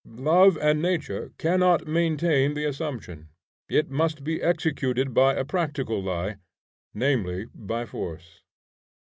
Love and nature cannot maintain the assumption; it must be executed by a practical lie, namely by force.